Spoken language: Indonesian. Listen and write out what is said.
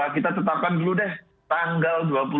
kita tetapkan dulu deh tanggal